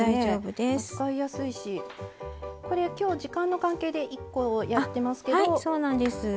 今日、時間の関係で１個やってますけど。